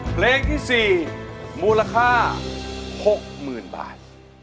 เพลงที่๔มูลค่า๖๐๐๐บาท